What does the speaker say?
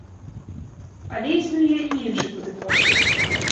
Але існуе і іншы падыход.